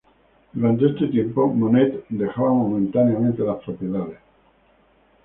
Durante este tiempo Monet dejaba momentáneamente las propiedades.